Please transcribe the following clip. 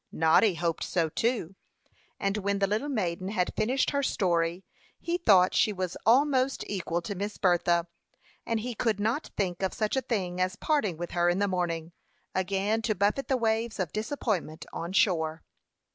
Noddy hoped so too; and when the little maiden had finished her story, he thought she was almost equal to Miss Bertha; and he could not think of such a thing as parting with her in the morning, again to buffet the waves of disappointment on shore.